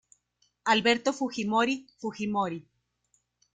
Alberto Fujimori Fujimori.